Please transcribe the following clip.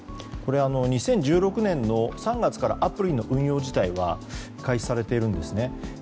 ２０１６年の３月からアプリの運用自体は開始されているんですね。